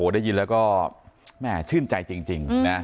ได้ยินแล้วก็แม่ชื่นใจจริงนะ